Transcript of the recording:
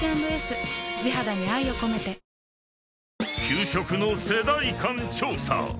［給食の世代間調査］